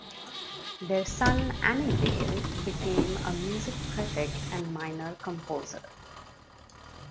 Their son Annibale became a music critic and minor composer.